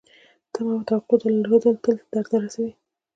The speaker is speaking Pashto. تمه او توقع درلودل تل درد رسوي .